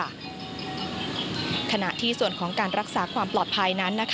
ขณะที่ส่วนของการรักษาความปลอดภัยนั้น